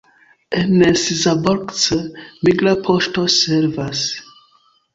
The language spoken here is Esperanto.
En Szabolcs migra poŝto servas.